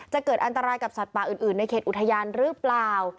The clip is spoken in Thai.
เกิดอันตรายกับสัตว์ป่าอื่นในเขตอุทยานหรือเปล่า